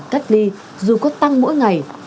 cách ly dù có tăng mỗi ngày